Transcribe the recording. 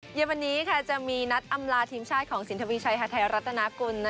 เย็นวันนี้จะมีนัดอำลาทีมชาติของสินทวีชัยฮาไทยรัฐนากุล